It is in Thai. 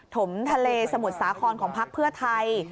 ถมทะเลสมุทรสาครของพักเพื่อไทย